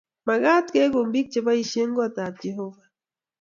Makaat keeku bik che boisheieng kot ab Jehovah